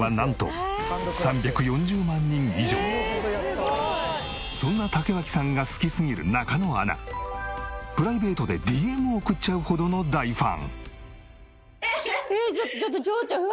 現在のそんな竹脇さんが好きすぎる中野アナプライベートでＤＭを送っちゃうほどの大ファン。